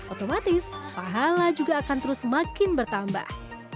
otomatis pahala juga akan terus semakin bertambah